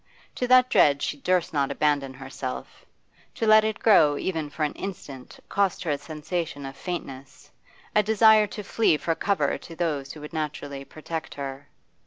To that dread she durst not abandon herself; to let it grow even for an instant cost her a sensation of faintness, a desire to flee for cover to those who would naturally protect her.